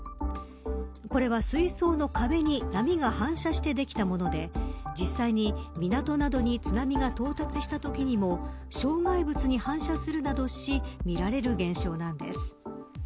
これは水槽の壁に波が反射してできたもので実際に港などに津波が到達したときにも障害物に反射するなどし見られる現象なんです。